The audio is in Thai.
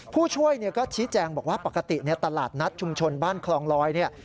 ผู้ช่วยก็ชี้แจงบอกว่าปกติตลาดนัดชุมชนบ้านคลองลอยเนี่ย